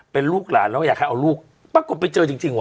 เป็นลูกหลานแล้วอยากให้เอาลูกปรากฏไปเจอจริงจริงว่